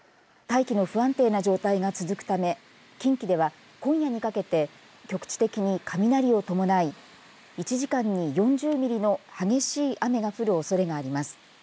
大気の不安定な状態が続くため近畿では、今夜にかけて局地的に雷を伴い１時間に４０ミリの激しい雨が降るおそれがあります。